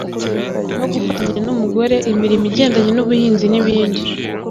no gufatanya n umugore imirimo igendanye n ubuhinzi n ibindi